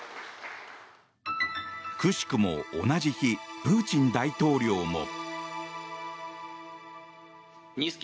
くしくも同じ日プーチン大統領も。